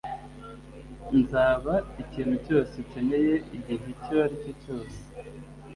nzaba ikintu cyose ukeneye igihe icyo aricyo cyose.